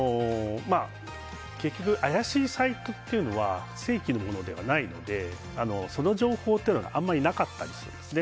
結局怪しいサイトっていうのは正規のものではないのでその情報があまりなかったりするんですね。